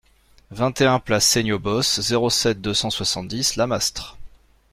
vingt et un place Seignobos, zéro sept, deux cent soixante-dix, Lamastre